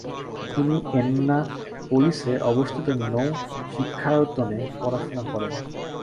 তিনি এন্নাপোলিসে অবস্থিত নৌ-শিক্ষায়তনে পড়াশুনা করেন।